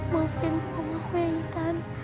maafin om aku yang hitam